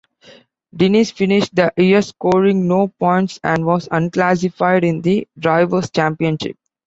Diniz finished the year scoring no points and was unclassified in the Drivers' Championship.